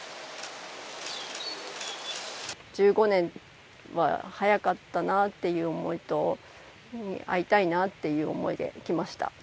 １５年は早かったなっていう思いと、会いたいなっていう思いで来ました。